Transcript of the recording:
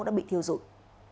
đã bị thiêu dụng